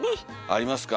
ありますか？